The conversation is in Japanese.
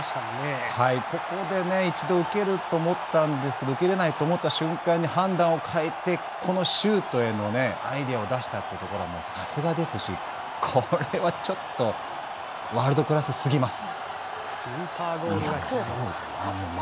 ここで一度、受けると思ったんですけれど受けれないと思った瞬間に判断を変えてこのシュートへのアイデアを出したことはさすがですしこれはちょっとワールドクラス過ぎます。